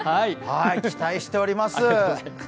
期待しております。